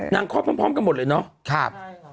นางคอดพร้อมกันหมดเลยเนอะใช่ครับ